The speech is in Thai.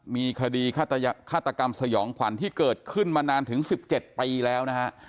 มีคดีฆาตกรรมสยองขวัญที่เกิดขึ้นมานานถึง๑๗ปีแล้วนะฮะ